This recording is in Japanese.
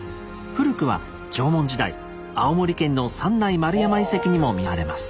古くは縄文時代青森県の三内丸山遺跡にも見られます。